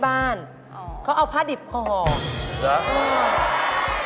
อ้าวผ้าดิบหอหรือ